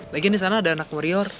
lagi disana ada anak warrior